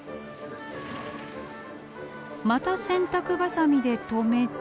また洗濯ばさみでとめて。